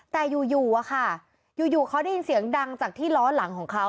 แต่อยู่อะค่ะอยู่เขาได้ยินเสียงดังจากที่ล้อหลังของเขา